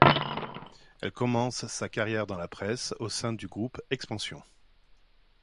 Elle commence sa carrière dans la presse, au sein du groupe Expansion.